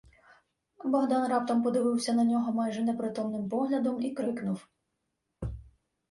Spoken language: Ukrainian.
Богдан раптом подивився на нього майже непритомним поглядом и крикнув: